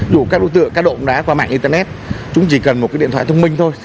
đủ các đối tượng cá độ bóng đá qua mạng internet chúng chỉ cần một cái điện thoại thông minh thôi